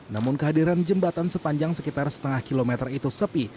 namun kehadiran jembatan sepanjang sekitar setengah kilometer itu sepi